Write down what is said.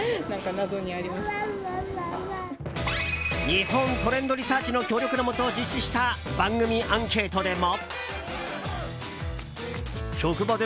日本トレンドリサーチの協力のもと実施した番組アンケートでも。